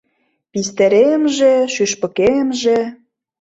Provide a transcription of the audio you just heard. Пистеремже — шӱшпыкемже